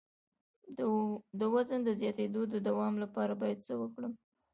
د وزن د زیاتیدو د دوام لپاره باید څه وکړم؟